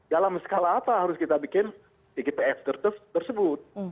dalam skala apa harus kita bikin tgpf tersebut